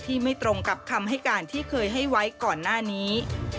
ไม่ตรงกับคำให้การที่เคยให้ไว้ก่อนหน้านี้